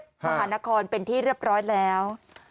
มหานครเป็นที่เรียบร้อยแล้ว